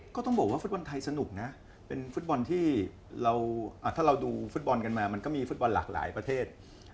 ก็ต้องบอกว่าฟุตบอลไทยสนุกนะเป็นฟุตบอลที่ถ้าเราดูฟุตบอลกันมามันก็มีฟุตบอลหลากหลายประเทศ